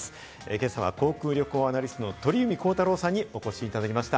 今朝は航空・旅行アナリストの鳥海高太朗さんにお越しいただきました。